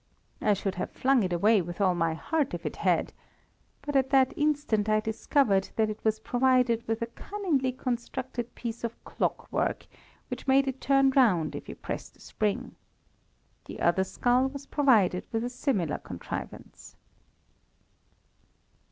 I should have flung it away with all my heart if it had; but at that instant I discovered that it was provided with a cunningly constructed piece of clockwork, which made it turn round if you pressed a spring. The other skull was provided with a similar contrivance.